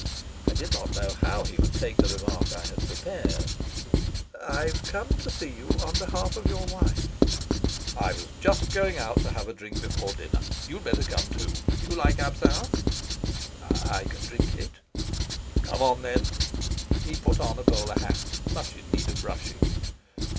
I did not know how he would take the remark I had prepared. "I've come to see you on behalf of your wife." "I was just going out to have a drink before dinner. You'd better come too. Do you like absinthe?" "I can drink it." "Come on, then." He put on a bowler hat much in need of brushing.